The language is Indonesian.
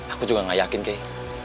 aku juga gak yakin kay